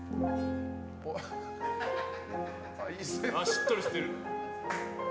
しっとりしてる。